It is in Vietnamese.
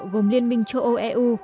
gồm liên minh châu âu eu